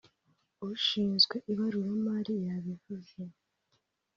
ushinzwe Ibaruramari yabivuze